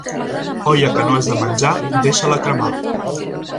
Olla que no has de menjar, deixa-la cremar.